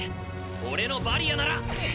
俺のバリアなら。